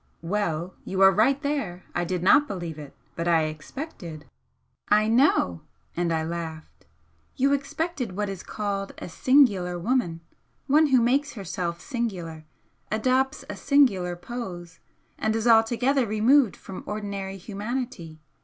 "Well, you are right there! I did not believe it. But I expected " "I know!" And I laughed "You expected what is called a 'singular' woman one who makes herself 'singular,' adopts a 'singular' pose, and is altogether removed from ordinary humanity.